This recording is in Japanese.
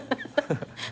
ハハハ！